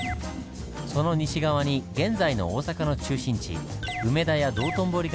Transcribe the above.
その西側に現在の大阪の中心地梅田や道頓堀があります。